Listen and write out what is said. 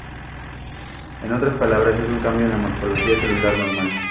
En otras palabras, es un cambio en la morfología celular normal.